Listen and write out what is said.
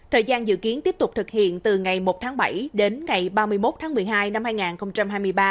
thời gian dự kiến tiếp tục thực hiện từ ngày một tháng bảy đến ngày ba mươi một tháng một mươi hai năm hai nghìn hai mươi ba